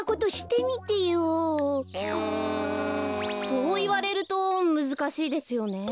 そういわれるとむずかしいですよねえ。